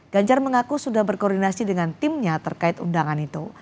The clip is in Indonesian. ganjar mengaku sudah berkoordinasi dengan timnya terkait undangan itu